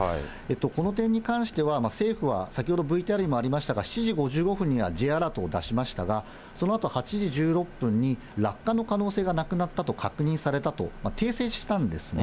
この点に関しては、政府は先ほどＶＴＲにもありましたが、７時５５分にはＪアラートを出しましたが、そのあと８時１６分に落下の可能性がなくなったと確認されたと訂正したんですね。